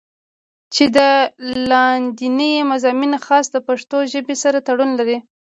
چې دا لانديني مضامين خاص د پښتو ژبې سره تړون لري